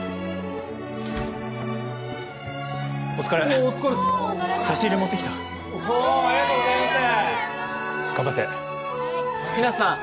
お疲れおおお疲れっす差し入れ持ってきたありがとうございます頑張って・はい日向さん